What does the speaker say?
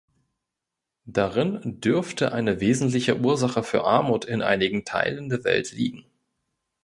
Darin dürfte eine wesentliche Ursache für Armut in einigen Teilen der Welt liegen.